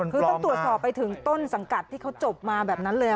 คือต้องตรวจสอบไปถึงต้นสังกัดที่เขาจบมาแบบนั้นเลย